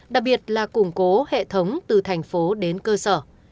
đặc biệt là củng cố hệ thống từ thành phố đến cơ sở